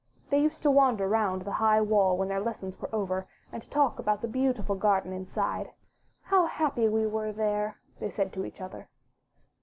They used to wander round the high wall when their lessons were over, and talk about the beautiful garden inside. ''How happy we were there,'* they said to each other.